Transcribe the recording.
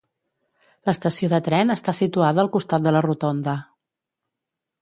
L'estació de tren està situada al costat de la rotonda.